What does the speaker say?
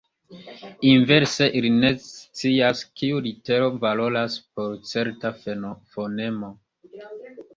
Inverse, ili ne scias, kiu litero valoras por certa fonemo.